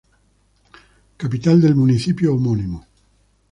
Capital del municipio homónimo.